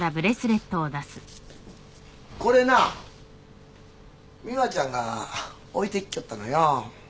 これな美羽ちゃんが置いていきよったのよ。